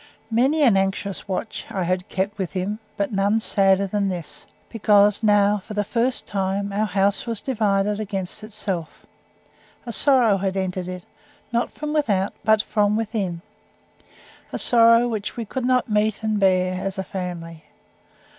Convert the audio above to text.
Many an anxious watch I had kept with him, but none sadder than this. Because now, for the first time, our house was divided against itself. A sorrow had entered it, not from without but from within a sorrow which we could not meet and bear, as a family.